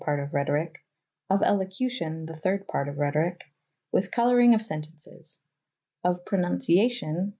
part of rethorike ; Of Elocution, the thirde part of rethoryke, with colouryng of sentences ; Of Pronunciation, the